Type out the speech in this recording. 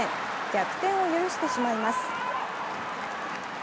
逆転を許してしまいます。